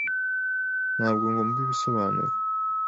Ntabwo ngomba ibisobanuro.